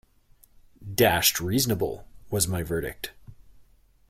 Dashed reasonable, was my verdict.